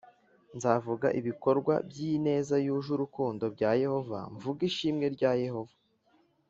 Nzavuga ibikorwa by ineza yuje urukundo bya Yehova mvuge ishimwe rya Yehova